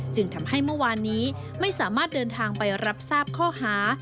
จึงทำให้เมื่อวานนี้ไม่สามารถเดินทางไปรับทราบข้อหา